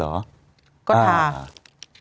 ก็ทารุนากรรม